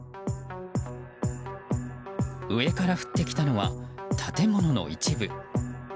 上から降ってきたのは建物の一部。